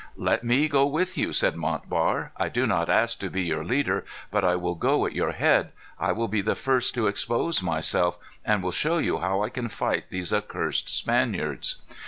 "Let me go with you," said Montbar. "I do not ask to be your leader, but I will go at your head. I will be the first to expose myself, and will show you how I can fight these accursed Spaniards."